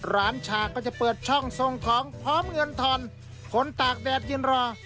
ฉากก็จะเปิดช่องทรงของพร้อมเงินทอนคนตากแดดยืนรอ